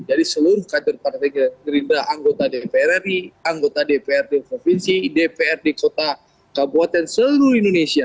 jadi seluruh kader partai gerindra anggota dpr ri anggota dpr di provinsi dpr di kota kabupaten seluruh indonesia